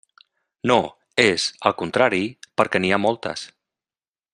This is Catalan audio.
No, és, al contrari, perquè n'hi ha moltes.